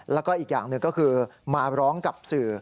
แล้วก็อีกอย่างหนึ่งก็คือมาร้องกับสื่อ